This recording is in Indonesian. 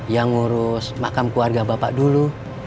yang ngurus makam keluarga bapak dulu